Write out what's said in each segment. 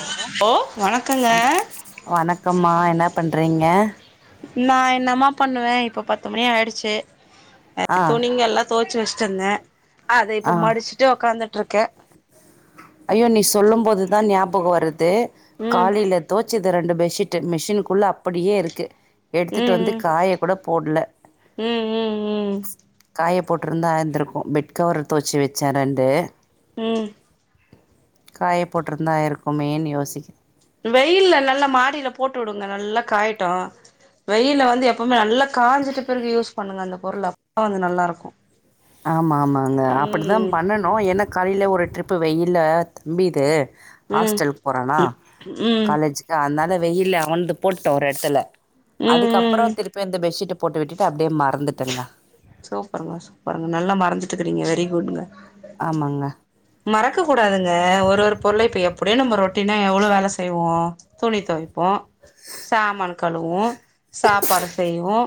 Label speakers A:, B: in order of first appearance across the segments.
A: Hello
B: ஓ வணக்கங்க
A: வ வணக்கம்மா என்ன பண்றீங்க
B: நா என்னம்மா பண்ணுவே இப்ப பத்து மணி ஆயிடுச்சு
A: ஆ
B: துணிங்கல்லா தொவச்சு வச் அத
A: ஆ
B: இப்ப மடிச்சுட்டு உக்காந்துட்டு இருக்கே
A: ஐயோ நீ சொல்லும் போதுதா ஞாபக வருது
B: ம்
A: காலையில தோச்சுது ரெண்டு பெட் சிட்டு மிஷின்க்குள்ள அப்படியே இருக்கு எடுத்துட்டு
B: ம்
A: வந்து காய கூட போட்ல
B: ம் ம் ம் ம்
A: காயப் போட்ருந்த ஆய்ந்துருக்கு பெட் கவர் துவச்சு வச்சே ரெண்டு
B: ம்
A: காய போட்ருந்தா ஆயிருக்குமேன்னு யோசிக்
B: வெயில்ல நல்லா மாடியில போட்டு உடுங்க நல்லா காயிட்டு வெயில வந்து எப்பமே நல்லா காஞ்சிட்டு பிறகு யூஸ் பண்ணுங்க அந்த பொருள அப்ப தா வந்து நல்லா இருக்கு
A: ஆமா ஆமாங்க அப்படித்தா
B: ம்
A: பண்ணனு ஏன்ன காலையில ஒரு ட்ரிப் வெயி இல்ல தம்பிது
B: ம்
A: ஹாஸ்டலுக்கு போறானா
B: ம் ம்
A: காலேஜுக்கு அத்னால வெயில அவன்ந்து போட்ட ஒரு எடத்துல
B: ம்
A: அதுக்கு
B: ம்
A: அப்புறோ திருப்பி அந்த பெட்ஷீட்டு போட்டு விட்டுட்டு அப்டியே மறந்துட்டேங்க
B: சூப்ருங்க சூப்ருங்க நல்லா மறந்துட்டுக்கிறீங்க வெரி குட்ங்க
A: ஆமாங்க.
B: மறக்க கூடாதுங்க ஒரு ஒரு பொருள இப்ப எப்படியு நம்ம ரொட் டீனா எவ்ளோ வேல செய்வோ துணி துவைப்போ சாமான் கழுவோ சாப்பாடு செய்வோ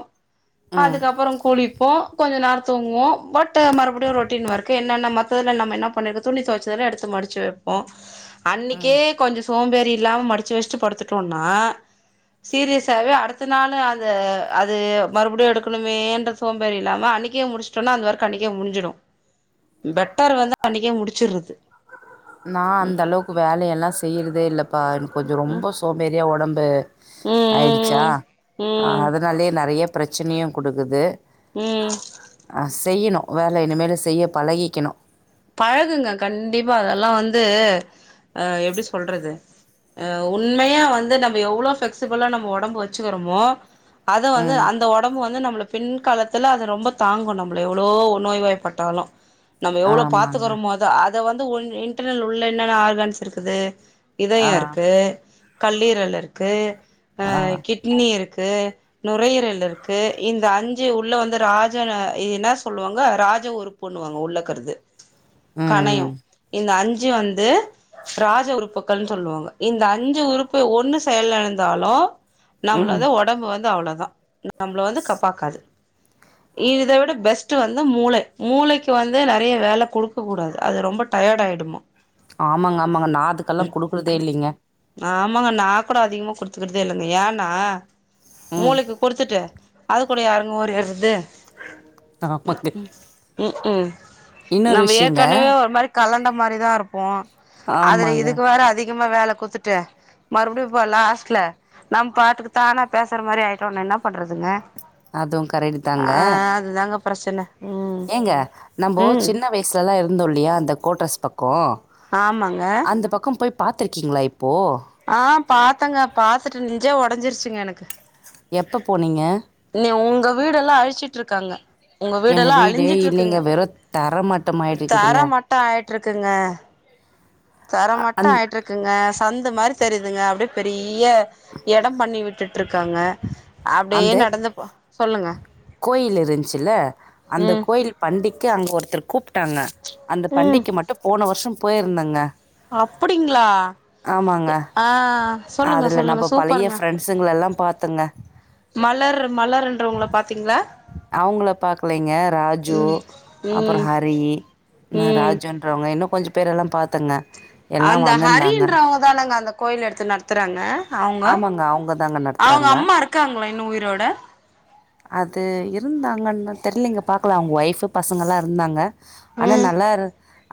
A: ம்,
B: அதுக்கப்றோ குளிப் போ கொஞ்ச நேர தூங்குவோ வட்டு மறுபடியு ரொட்டீன் ஒர்க்கு என்னன்ன மத்தல்ல நம்ம என்ன பண்ணிரு துணி துவச் எடுத்து மடிச்சு வைப்போ அன்னிக்கே
A: ம்.
B: கொஞ்ச சோம்பேறி இல்லாம மடிச்சு வச்சுட்டு படுத்துட்டோனா சீரியஸாவே அடுத்த நாள் அந்த அது மறுபடியு எடுக்கணுமேன்றது சோம்பேறி இல்லாம அன்னிக்கயே முடிச்சுட்டோனா அந்த வொர்க்கு அன்னிக்கே முஞ்சிடு பெட்டர் வந்து அன்னைக்கே முடிச்சிருது
A: நா அந்த அளவுக்கு வேலையெல்லா செய்யறதே இல்லப்பா கொஞ்ச
B: ம்
A: ரொம்ப சோம்பேறியா உடம்பு
B: ம்
A: ஆயிடுச்சா
B: ம் ம்
A: அதனாலயே நறைய பிரச்சனையு கொடுக்குது
B: ம்
A: வேல இனிமேல் செய்ய பழகிக்கணு
B: பழகுங்க கண்டிப்பா அதல்லா வந்து அ எப்டி சொல்றது அ உண்மையா வந்து நம்ம எவ்ளோ ஃப்ளெக்ஸிபுளா நம்ம ஒடம்ப வெச்சுகறமோ அத வந்து
A: ம்.
B: அந்த ஒடம்பு வந்து நம்ம பின் காலத்துல அது ரொம்ப தாங்கு நம்பள எவ்ளோ நோய்வாய்பாட்டாலு நம்ம எவ்ளோ
A: ஆமாங்க.
B: பாத்துகறமோ அத அத வந்து உன் இன்டர்நெல் உள்ள என்னென்ன ஆர்கன்ஸ் இருக்குது இதயோ
A: ஆ.
B: இருக்கு கல்லீரல் இருக்கு ஆ கிட்னி இருக்கு குது நுரையீரல் இருக்கு இந்த அஞ்சு உள்ள வந்து ராஜன் இது என்னா சொல்லுவாங்க ரா எதாசு ஒர்க் பண்ணுவாங்க உள்ளக்கற்து கனையு
A: ம்
B: இந்த அஞ்சு வந்து ராஜ உறுப்புகள்ன் சொல்லுவாங்க இந்த அஞ்சு உறுப்பு ஒண்ணு செயல்லிலந்தாலு
A: ம்
B: நம்ளோட ஒடம்பு வந்து அவ்ளோதா நம்மள வந்து கப்பாக்காது இத விட பெஸ்ட் வந்து மூள மூளைக்கு வந்து நெறைய வேல குடுக்க கூடாது அது ரொம்ப டைய டயடாய்டுமா
A: ஆமாங்க ஆமாங்க நா அதுக்கல்லா குடுக்கற்தே இல்லைங்க
B: ஆமாங்க நா கூட அதிகமா குடுத்துகற்தே இல்லங்க ஏனா
A: ம்
B: மூளைக்கு குடுத்துட்டு அதுகுள்ள யாருங்க ஓறியாட்றது
A: ஆமாங்க
B: ம் ம்
A: இன்னொரு
B: நம்ம
A: விஷயங்க
B: ஏற்கனவே ஒரு மாரி கலண்ட மாரிதா இருப்போ அதுல
A: ஆமாங்க
B: இதுக்கு வேற அதிகமா வேல குட்த்துட்டு மறுபுடியு இப்ப லாஸ்ட்ல நம் பாட்டுகு தானா பேசுற மாரி ஆய்டோனா என்னா பண்றதுங்க
A: அதும்
B: ஆ
A: கரெக்டுதாங்க
B: அதுதாங்க பிரச்சன ம்
A: ஏங்க நம்போ
B: ம்
A: சின்ன வய்சுலலா இருந்தோ இல்லியா அந்த கோட்ரஸ் கோ
B: ஆமாங்க
A: அந்த பக்கோ போய் பாத்துருகீங்ளா இப்
B: ஆ பாத்தங்க பாத்துட்டு நெஞ்சே ஒடஞ்சுருச்சுங்க எனக்கு
A: எப்போ போனீங்க
B: நீ உங்க வீடேல்லா அழிச்சுட்ருக்காங்க உங்க
A: எங்க
B: வீடேல்லா
A: வீடு இல்லைங்க
B: அழிஞ்சுட்ருக்குங்க
A: வெறு தர
B: தர
A: மட்டமாயிட்டுருக்குதுங்க
B: மட்டோ ஆய்ட்ருக்குங்க தர
A: அ
B: மட்டோ
A: அந்
B: ஆய்ட்ருக்குங்க சந்த மாரி தெரிதுங்க அப்டியே பெரிய எடோ பண்ணி விட் விட்டுட்ருக்காங்க அப்டியே
A: அந்த
B: நடந்து போ சொல்லுங்க
A: கோயில் இருன்சுல்ல அந்த
B: ம்
A: கோயில் பண்டிக்கு அங்க ஒருத்தர் கூப்ட் டாங்க அந்த பண்டிக்கு மட்டு போன வர்ஷோ போய்ர்ந்தங்க
B: அப்புடிங்ளா ஆ சொல்லுங்க
A: அதுல
B: சொல்லுங்க
A: நம்ம பழைய
B: சூப்பருங்க
A: ஃப்ரெண்ட்ஸுங்களெல்லாம் பார்த்தங்க.
B: மலர் மலருன்ரவ்ங்ள பாத்தீங்ளா
A: அவ்ங்ள பாக்லைங்க ராஜு அப்றோ
B: ம்
A: ஹரி ன்னு
B: ம்
A: ராஜுன்றவ்ங்க இன்னு கொஞ்ச பேரெல்லா பாத்தங்க
B: அந்த ஹரின்றவுங்க தானங்க அந்த கோயில் எடுத்து நடத்துறாங்க அவ்ங்க
A: ஆமாங்க. அவங்க தாங்க
B: அவ்ங்க
A: நடத்துறாங்க.
B: அம்மா இருக்காங்ளா இன்னும் உயிரோட
A: அது இருந்தாங்கன்தா தெர்லிங்க பாக்கல அவ்ங்க ஒய்ஃபு பசங்கல்லா இருந்தாங்க ஆனா
B: ம்
A: நல்லாரு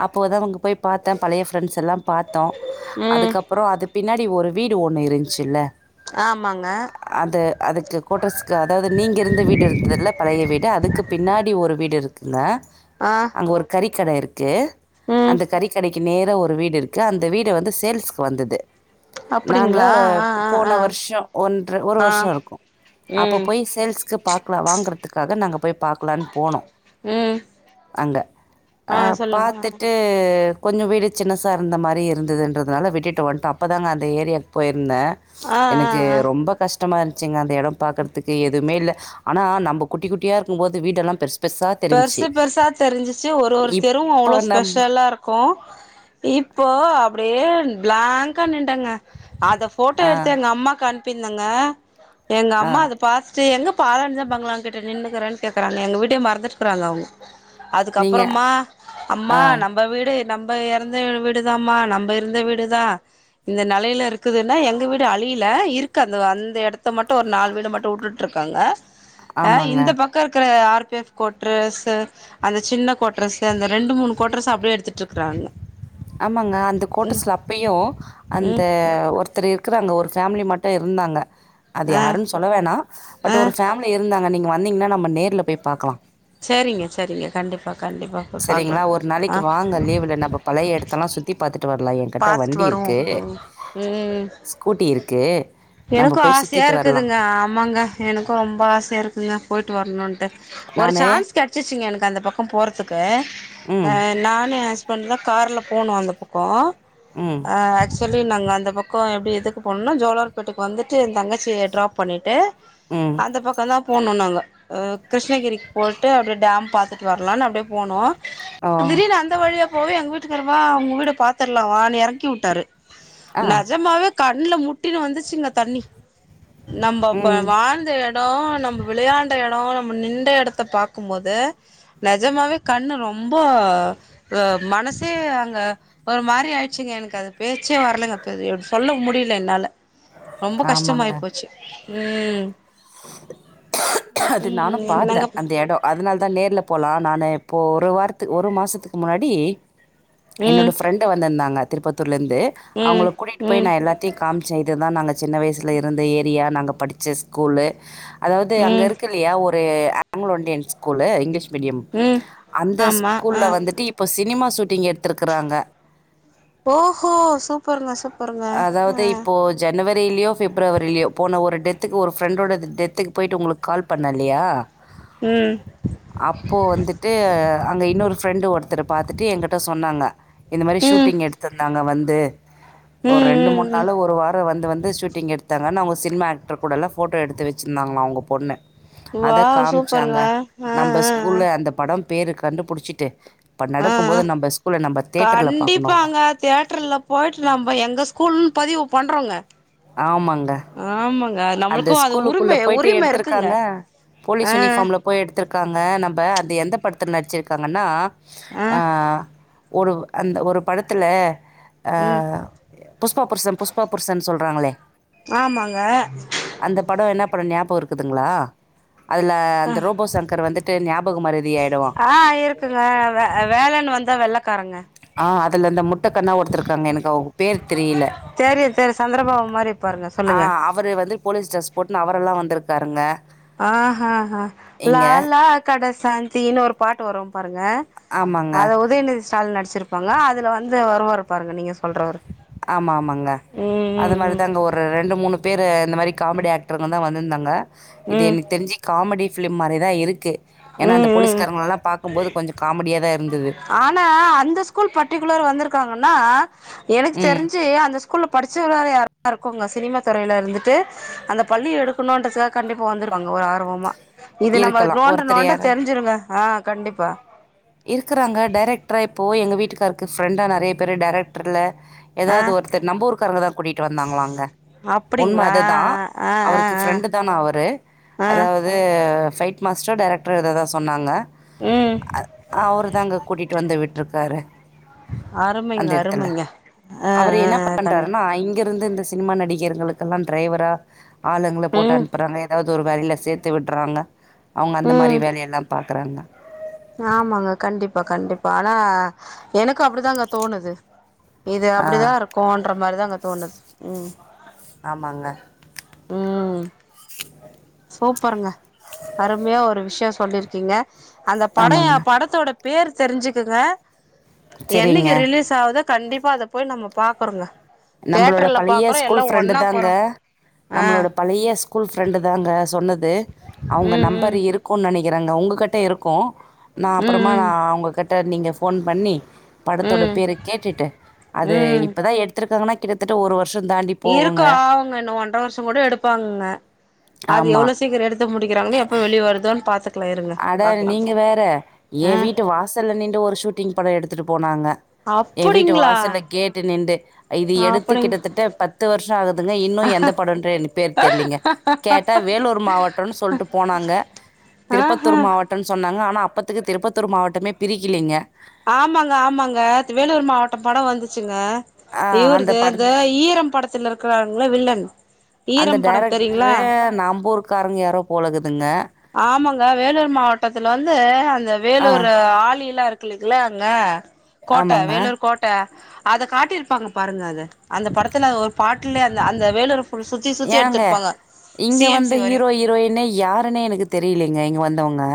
A: அப்போதா அவுங்க போய் பாத்த பழைய ஃப்ரெண்ட்ஸலா பாத்தோ
B: ம்
A: அதுக்கப்றோ அது பின்னாடி ஒரு வீடு ஒண்ணு இருன்ச்சில்ல
B: ஆமாங்க
A: அது அதுக்கு கோட்ரஸ்க்கு அதாது நீங்க இருந்த வீடு இருந்ததுல பழைய வீடு அதுக்கு பின்னாடி ஒரு வீடு இருக்குங்க
B: ஆ
A: அங்க ஒரு கறிக்கட இருக்கு
B: ம்
A: அந்த கறிக்கடைக் கி நேர ஒரு வீடு இருக்கு அந்த வீடு வந்து சேல்ஸ்க்கு வந்தது நாங்க
B: அப்டிங்களா ஆ ஆ ஆ
A: போன வர்ஷோ ஒன்ற ஒரு
B: ஆ
A: வர்ஷோ இருக்கு அப்பப்
B: ம்
A: போய் சேல்ஸ்க்கு பாக்லா வாங்கறதுகாக நாங்க போய் பாக்லான் போனோ
B: ம்
A: அங்க ஆ பாத்துட்டு கொஞ்சோ வீடு சின்னசா இருந்த மாரி இருந்ததுன்றதுனால விட்டுட்டு வன்டோ அப்பதாங்க அந்த ஏரியாக் போய் ந்த
B: ஆ ஆ
A: எனக்கு
B: ஆ
A: ரொம்ப கஷ்டமா இருன்சுங்க அந்த எடோ பாக்கற்த் த்துகு எதுமே இல்ல ஆனா நம்ப குட்டி குட்டியா இருக்கும்போது வீடெல்லாம் பெர்ஸ்
B: பெர்சு பெர்சா தெரிஞ்சிச்சு ஒரு ஒரு தெருவும்
A: இப்போ
B: அவ்ளோ
A: நம்
B: ஸ்பெஷலா இருக்கும் இப்போ அப்படியே பிளாங்க்கா நிண்டங்க அத போட்டோ
A: ஆ,
B: எடுத்து எங்க அம்மாக்கு அன் பிர்ந்தங்க எங்க
A: ஆ.
B: அம்மா அது பாத்துட்டு எங்க பாலடஞ்ச பங்களாங்கிட்ட நின்னுக்கிற கேக்குறாங்க எங்க வீட்டயே மறந்துட்டுக்றாங்க அவங்க
A: நீங்க
B: அதுக்கப்பறமா
A: ஆ,
B: அம்மா நம்ப வீடு நம்ப எறந்த வீடுதாமா நம்ப இருந்த வீடு தான் இந்த நெலையில இருக்குதுன்ன எங்க வீடு அழி வெளில இருக்கு அந்த அந்த எடத்த மட்டும் ஒரு நாலு வீடு மட்டும் விட்டுட்டு இருக்காங்க அ
A: ஆமாங்க.
B: இந்த பக்க இருக்ற ஆறு பே கோட்ரஸ்ஸு அந்த சின்ன கோட்ரஸ்ஸு அந்த ரெண்டு மூணு கோட்ரஸ்ஸ அப்டியே எடுத்துட்டு இருக்கறாங்க
A: ஆமங்க அந்த கோட்ரஸ்ல அப்பயும் அந்த
B: ம்
A: ஒருத்தரு இருக்றாங்க ஒர் ஃபேமிலி மட்டும் இருந்தாங்க அது
B: ஆ
A: யாருன்னு சொல்ல வேணா பட்
B: ஆ
A: ஒரு ஃபேமிலி இருந்தாங்க நீங் வந்தீங்ன்னா நம்ம நேர்ல போய் பாக்கலாம்
B: செரிங்க செரிங்க கண்டிப்பா கண்டிப்பா போய்
A: சரிங்ளா
B: பாக்கலாம்
A: ஒரு
B: ஆ
A: நாளைக்கு வாங்க லீவு்ல நம்ம பழைய இடத்த எல்லாம் சுத்தி பாத்து ட்டு வரலாம் என்கிட்ட
B: பாத்துட்டு
A: வண்டி இருக்கு
B: வருவோம் ம்
A: ஸ்கூட்டி இருக்
B: எனக்கும் ஆசையா இருக்குதுங்க ஆமாங்க எனக்கும் ரொம்ப ஆசையா இருக்குங்க போயிட்டு வரணு அ ஒரு
A: நானு
B: சான்ஸ் கிடைச்சிச்சுங்க எனக்கு அந்த பக்கம் போறதுக்கு அ
A: ம்
B: நானு ஹஸ் பண்ட் தான் கார்ல போனும் அந்த பக்கம்
A: ம்
B: ஆக்சுவலி நாங்க அந்த பக் க்கொ எப்டி இதுக்கு போனம்னா ஜோளார்பேட்டைக்கு வந்துட்டு என் தங்கச்சியை டிராப் பண்ணிட்டு
A: ம்
B: அந்த பக்கொ தான் போணு நாங்க அ கிருஷ்ணகிரிக்கு போயிட்டு அப்டியே டாம் பாத்துட்டு வரலான்னு அப்டியே போனோம்
A: ஓ
B: திடீனு அந்த வழியா போயி எங்க வீட்டுக்காரு வா உங்க வீட பாத்தர்லாம் வானு எறக்கி விட்டாரு
A: ஆ
B: நஜமாவே கண்ல முட்டினு வந்துச்சுங்க தண்ணி நம்ப அப்ப
A: ம்
B: வாழ்ந்த எடம் நம்ப விளையாண்ட எடம் நம்ம நிண்ட இடத்த பாக்கும்போது நஜமாவே கண்ணு ரொம்ப அ ம னசே அங்க ஒரு மாரி ஆயிட்ச்சுங்க எனக்கு அது பேச்சே வரலங்க அப்பவே சொல்ல முடியல என்னால ரொம்ப கஷ்டமாயி
A: ஆமாங்க
B: போச்சு ம் ம்
A: அது
B: ம்
A: நானும்
B: என்னங்க
A: பாத்தன் அந்த எடம் அதுனால் தான் நேர்ல போலாம் நானு இப்போ ஒரு வாரத்து ஒரு மாசத்துக்கு முன்னாடி என்னோட
B: ம்
A: ஃப்ரெண்ட் வந்துருந்தாங்க திருப்பத் தில இருந்து அவங்கள
B: ம்
A: கூட்டிட்டு போய்
B: ம்
A: நான் எல்லாத்தையும் காமிச் இதுதா நாங்க சின்ன வயசுல இருந்த ஏரியா நாங்க படிச்ச ஸ்கூலு அதாவது அங்க
B: ம்
A: இருக்குற யா ஒ ரு அக்குலோண்டியன் ஸ்கூலு இங்லீஷ் மீடியம்
B: ம்
A: அந்த
B: ஆமா
A: ஸ்கூல்ல
B: ஆ
A: வந்துட்டு இப்ப ஸ் சினிமா ஷூட்டிங் எடுத்துருக்றாங்க
B: ஓஹோ சூப்பருங்க சூப்
A: அதாவது இப்போ ஜனவரியிலயோ பிப்ரவரியிலயோ போன ஒரு டெ த்துக்கு ஒரு ஃப்ரெண்டோட டெத்துக்கு போய்டிட்டு உளுக்கு கால் பண்ண இல்லையா
B: ம்
A: அப்போ வந்துட்டு அங்க இன்னொரு ஃபிரரெண்ட் ஒருத்தர் பாத்தட்டு எங்கிட்ட சொன்னாங்க இந்த மாரி
B: ம் ம்
A: ஷூட்டிங் எடுடுத்திருந்தாங்க வந் து ஒரு ரெண்டு
B: ம்
A: மூணு நாள்
B: ம்
A: ஒரு வாரம் வந்து வந்து ஷூட்டிங் எடுத்தாங்கன்னா அவங்க சினிமா ஆக்டர் கூடல போட்டோ எடுத்துச்சிருந்தாங்களா அவங்க பொண்ணு அத
B: வாவ்
A: காமிச்சாங்க
B: சூப்பருங்க ஆ
A: நம்ம
B: ஆ ஆ
A: ஸ்கூல்ல அந்த படம் பேரு கண்டு புடிச்சிட்டு
B: ஆ
A: பார்க்கணுங்க
B: கண்டிப்பாங்க தியட்டர்ல போயிட்டு நம்ம எங்க ஸ் கூல்ன்னு பதிவு பண்ணுறோங்க
A: ஆமாங்க அந்த
B: நம்மளுக்கு அது
A: ஸ்கூலுக்குள்ள
B: உரிமை
A: போயிட்டு
B: உரிமை இருக்குங்க
A: எத்துருக்காங்க போலீஸ்
B: ஆ
A: யூனிஃபார்ம்ல போய் எடுத்திருக்காங்க நம்ம அந்த எந்த படத்து நடிச்சிருக்காங்கன்னா
B: ஆ
A: அ‌ ஒரு அந்த ஒரு படத்துல அ
B: ம்
A: புஷ்பா புர்சன் புஷ்பா புர்சன் சொல்றாங்களே
B: ஆமாங்க
A: அந்த படொ என்ன படொ ஞாபகம் இருக்குதுங்களா அதுல அந்த ரோபோ சங்கர் வந்துட்டு ஞாபகம்றுதிய ஆயிடுவான்
B: ஆ இருக்குங்க வே வேலன்னு வந்தா வெள்ளைக்காரங்க
A: ஆ அதுல இந்த முட்ட கண்ணா ஒருத்தருக்காங்க எனக்கு அவுங்க பேரு தெரியல
B: ப்பாவ மாரி பாருங்க
A: ஆ
B: சொல்லுங்க
A: அவர் வந்து போலீஸ் ட்ரஸ் போட்ன்னு அவரெல்லா வந்துருக்காருங்க
B: ஆஹஹ லாலா கடசாந்தின்னு ஒரு பாட்டு வரும் பா ருங்க
A: ஆமாங்க
B: அதை உதயநிதி ஸ்டாலின் நடிச்சிருப்பாங்க அதுல வந்து வருவாரு பாருங்க நீங்க சொல்றவரு
A: ஆமா ஆமாங்க
B: ம்
A: அது
B: ம்
A: மாதிரிதாங்க ஒரு ரெண்டு மூணு பேரு இந்த மாரி காமெடி ஆக்டருங்கதா வந்துருந்தா ங்க இது
B: ம்
A: எனக்கு தெரிஞ்சு காமெடி ஃபிலிம் மாரிதா இருக்கு
B: ம்
A: ஏன்னா அந்த
B: ம் ம்
A: போலீஸ்காரங்கலல்லா பாக்கும்போது கொஞ்ச காமடியாதா
B: ஆனா அந்த ஸ்கூல் பர்ட்டிகுலர் வந்திருக்காங்கன்னா எனக்கு
A: ம்.
B: தெரிஞ்சு அந்த ஸ்கூல்ல படிச்சவராக யாரா இருக்குங்க சினிமா துறைல இருந்துட்டு அந்த பள்ளி எடுக்கணுன்றதுக்கா கண்டிப்பா வந்துருவாங்க ஒரு ஆர்வமா இது நம்ம
A: இருக்கலாம்.
B: நோண்ட
A: ஒருத்தர்
B: நோண்ட
A: யாரு?
B: தெரிஞ்சுருங்க ஆ கண்டிப்பா
A: டேரக்டரா இப்போ எங்க வீட்டுக்காருக்கு ஃப்ரெண்டா நிறைய பேர் டேரெக்டர்ல
B: ஆ
A: எதாவது ஒருத்தர் நம்ப ஊருக்காரங்கதா கூட்டிட்டு வந்தாங்களாங்க உண்மை
B: அப்டிங்களா
A: அதுதா
B: ஆ ஆ
A: அவருக்கு
B: ஆ
A: ஃப்ரெண்டு தானா அவரு
B: ஆ
A: அதாவது ஃபைட் மாஸ்டரா டேரக்டர் எதோதா சொன்னாங்க
B: ம்
A: அ அவரு தாங்க கூட்டிட்டு வந்து விட்டுருக்காரு
B: அருமைங்க
A: அந்த இடத்துல
B: அருமைங்க ஆ
A: அவரு
B: ஆ
A: என்ன
B: கண்
A: பண்றாருன்னா இங்க இருந்து இந்த சினிமா நடிகர்களுக்கெல்லா டிரைவரா ஆளுங்கள போட்டு
B: ம்
A: அனுப்புறாங்க எதாவது ஒரு வேலையில சேத்து விட்டுறாங்க அவுங்க அந்த மாரி
B: ம்
A: வேலையெல்லாம் பாக்குறாங்க
B: ஆமாங்க கண்டிப்பா கண்டிப்பா ஆனா எனக்கு அப்படிதாங்க தோணுது இது
A: ஆ
B: அப்படிதா இருக்கும்ன்ற மாரிதாங்க தோணுது ம்
A: ஆமாங்க
B: ம் சூப்பருங்க அருமையா ஒரு விஷயோ சொல்லிருக்கீங்க அந்த பட
A: ஆமாங்க.
B: படத்தோட பேர் தெரிஞ்சுக்குங்க
A: சரிங்க
B: என்னைக்கு ரிலீஸ் ஆகுதோ கண்டிப்பா அத போய் நம்ம பாக்குறோங்க
A: நம்பளோட
B: தேட்டர்ல
A: பழைய
B: பாக்குறோ எல்லா
A: ஸ்கூல் ஃப்ரெண்டு
B: ஒன்னா
A: தாங்க
B: போறோ ஆ
A: நம்மளோட பழைய ஸ்கூல் ஃப்ரெண்டு தாங்க சொன்ன அவுங்க
B: ம்
A: நம்பர்
B: ம்
A: இருக்குன்னு நினைக்கிறேங்க உங்ககிட்ட இருக்கு நா அப்புறமா நா
B: ம்
A: உங்க கிட் நீங்க ஃபோன் பண்ணி படத்தோட
B: ம் ம்
A: பேர கேட்டுட்டு அது
B: ம்
A: இப்பதா எடுத் துருக்காங்கனா கிட்டத்தட்ட ஒரு
B: இருக்கு ஆவுங்க இன்னு ஒன்ற வருஷ கூட எடுப்பாங்கங்க அது எவ்ளோ
A: ஆமாம்
B: சீக்கிர எடுத்து முடிக்குறாங்கனு எப்ப வெளி வருதோனு பாத்துட்
A: அட நீங்க வேற ஏ
B: ஆ
A: வீட்டு வாசல்ல நின்னு ஒரு ஷூட்டிங் பட எடுத்துட்டு போனாங்க ஏ வீட்டு
B: அப்டிங்களா
A: வாசல்ல கேட்டு நின்டு இது எடுத்து
B: அப்டிங்
A: கிட்டத்தட்ட பத்து வருஷோ ஆகுதுங்க இன்னு எந்த படோன்ற எனக்கு பேர் தெர்லீங்க கேட்டா வேலூர் மாவட்டன்னு சொல்ட்டு போனாங்க திருப்பத்தூர்
B: ஆஹா
A: மாவட்டன்னு சொன்னாங்க ஆனா அப்பத்துக்கு திருப்பத்தூர் மாவட்டமே பிரிக்கலிங்க
B: ஆமாங்க ஆமாங்க வேலூர் மாவட்ட படோ வந்துச்சுங்க
A: ஆ
B: இவருது அந்த
A: படத்
B: ஈரம் படத்துல இருக்கிறாங்கள வில்லன்
A: அந்த
B: ஈரம் படம் தெரியுங்களா
A: டேரக்ட்ரு நம்பூருக்காரங்க யாரோ போலக்குதுங்க
B: ஆமாங்க வேலூர் மாவட்டத்துல வந்து அந்த வேலூர் ஆ வேலி எல்லா இருக்குல்லங்கள அங்க கோட்ட
A: ஆமாங்க.
B: வேலூர் கோட்ட அத காட்டியிருப்பாங்க பாருங்க அத அந்த படத்துல ஒரு பாட்டுல அந்த அந்த வேலூரு
A: ஏங்க இங்க
B: எம்
A: வந்த
B: சி வரையு
A: ஹீரோ ஹீரோயின்னை யாருன்னே எனக்கு தெரியலைங்க இங்க வந்தவு ங்க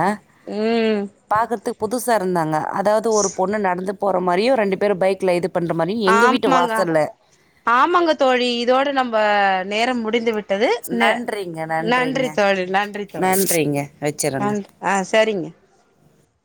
B: ம்
A: பாக்கத்துக்கு புதுசா இருந்தாங்க அதாவது ஒரு பொண்ணு நடந்து போற மாறியு ரெண்டு பேரு பைக்ல இது பண்ற மாரியு எங்க வீட்டு
B: ஆமாங்க
A: வாசல்ல.
B: ஆமாங்க தோழி இதோட நம்ம நேரம் முடிந்து விட் டது ந
A: நன்றிங்க, நன்றிங்க.
B: நன்றி தோழி நன்றி தோழி
A: நன்றிங்க. வச்சுர்றங்க.
B: நன் ஆ சரிங்க